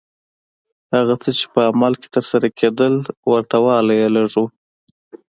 هغه څه چې په عمل کې ترسره کېدل ورته والی یې لږ و.